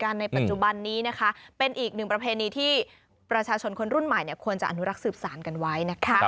กับพระเจ้าแผ่นดิน